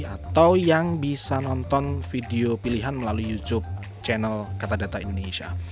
atau yang bisa nonton video pilihan melalui youtube channel kata data indonesia